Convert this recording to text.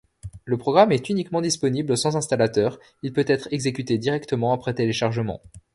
Le programme est uniquement disponible sans installateur, il peut être exécuté directement après téléchargement.